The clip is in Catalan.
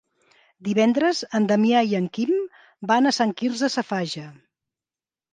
Divendres en Damià i en Quim van a Sant Quirze Safaja.